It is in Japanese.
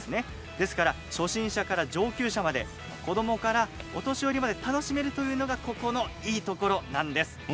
ですから初心者から上級者まで子どもからお年寄りまで楽しめるというのがここのいいところなんです。